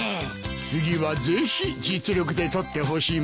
次はぜひ実力で取ってほしいものだな。